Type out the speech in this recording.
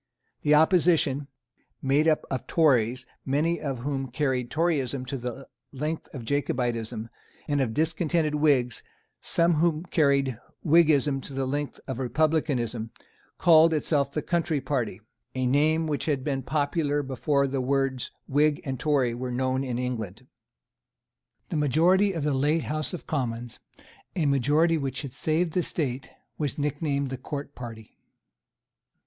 The opposition, made up of Tories many of whom carried Toryism to the length of Jacobitism, and of discontented Whigs some of whom carried Whiggism to the length of republicanism, called itself the Country party, a name which had been popular before the words Whig and Tory were known in England. The majority of the late House of Commons, a majority which had saved the State, was nicknamed the Court party.